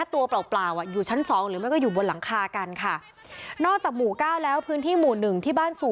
เอาผ้าใบเอาชุดกันฝนคลุมวาย